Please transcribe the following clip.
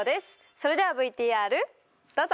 それではＶＴＲどうぞ！